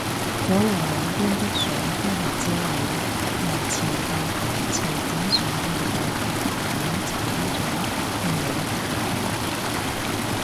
左右兩邊的水都係遮耳，由前到後斜剪上去到同後面剷咗嘅位打平